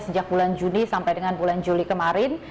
sejak bulan juni sampai dengan bulan juli kemarin